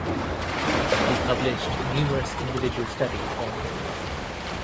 He published numerous individual studies on him.